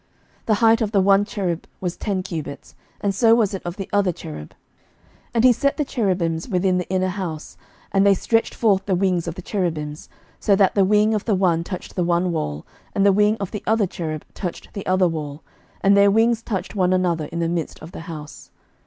11:006:026 The height of the one cherub was ten cubits, and so was it of the other cherub. 11:006:027 And he set the cherubims within the inner house: and they stretched forth the wings of the cherubims, so that the wing of the one touched the one wall, and the wing of the other cherub touched the other wall; and their wings touched one another in the midst of the house.